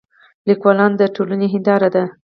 لیکوالان د ټولنې هنداره ده.